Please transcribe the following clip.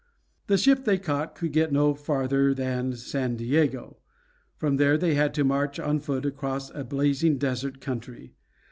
The ship they caught could get no farther than San Diego. From there they had to march on foot across a blazing desert country.